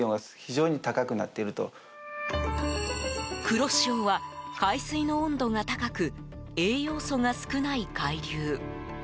黒潮は、海水の温度が高く栄養素が少ない海流。